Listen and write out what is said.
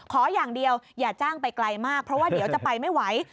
ขออย่างเดียวอย่าจ้างไปไกลมากเพราะว่าเดี๋ยวจะไปไม่ไหว